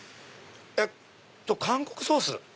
えっ「韓国ソース」？